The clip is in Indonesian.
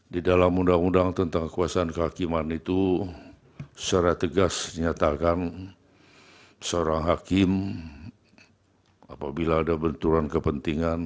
di dalam undang undang tentang kekuasaan kehakiman itu secara tegas dinyatakan seorang hakim apabila ada benturan kepentingan